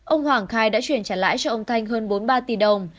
ông hoàng khai đã chuyển trả lãi cho ông thanh hơn bốn mươi ba tỷ đồng